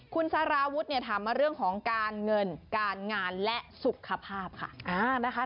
คุณสารวุฒิเนี่ยถามมาเรื่องของการเงินการงานและสุขภาพค่ะนะคะ